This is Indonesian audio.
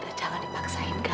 udah jangan dipaksain enggak